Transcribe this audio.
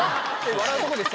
笑うとこでした？